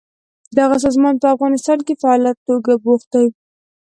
دغه سازمان په افغانستان کې فعاله توګه بوخت دی.